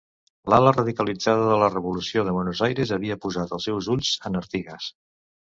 L'ala radicalitzada de la revolució de Buenos Aires havia posat els seus ulls en Artigas.